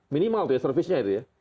minimal tuh ya servisnya itu ya